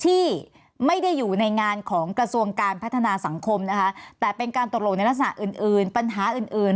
ที่ไม่ได้อยู่ในงานของกระทรวงการพัฒนาสังคมนะคะแต่เป็นการตกโหลในลักษณะอื่น